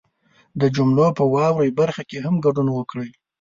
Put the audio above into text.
د جملو په واورئ برخه کې هم ګډون وکړئ